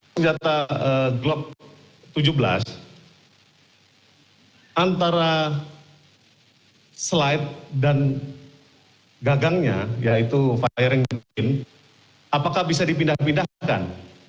senjata glock tujuh belas antara slide dan gagangnya yaitu firing machine apakah bisa dipindahkan